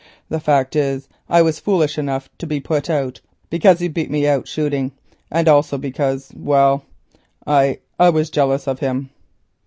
The fact is, I was foolish enough to be vexed because he beat me out shooting, and also because, well I—I was jealous of him."